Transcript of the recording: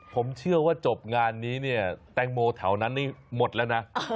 ผมเชื่อว่าจบงานนี้เนี่ยแตงโมแถวนั้นนี่หมดแล้วนะ